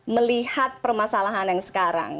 melihat permasalahan yang sekarang